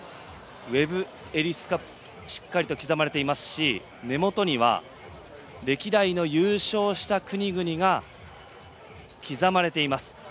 ウェブ・エリス・カップとしっかりと刻まれていますし根元には歴代の優勝した国々が刻まれています。